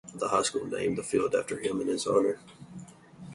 The high school named the field after him in his honor.